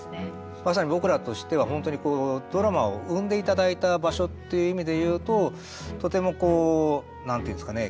まさに僕らとしては本当にドラマを生んでいただいた場所っていう意味でいうととても、なんていうんですかね